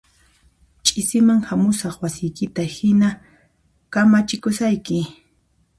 Ch'isiman hamusaq wasiykita hina kamachikusayki